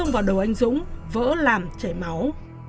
đầu anh dũng vỡ làm chảy máu